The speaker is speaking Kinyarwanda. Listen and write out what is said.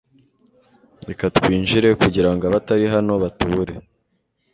Reka twinjire kugirango abatari hano batubure